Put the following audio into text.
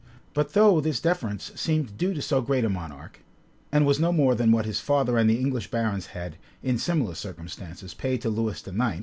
But though this deference seemed due to so great a monarch, and was no more than what his father and the English barons had, in similar circumstances, paid to Lewis IX.